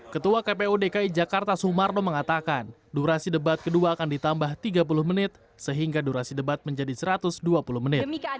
ketua kpu dki jakarta sumarno mengatakan durasi debat kedua akan ditambah tiga puluh menit sehingga durasi debat menjadi satu ratus dua puluh menit